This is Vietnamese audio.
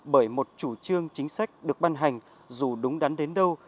bởi một chủ trương chính sách được ban hành dù đúng đắn đến đâu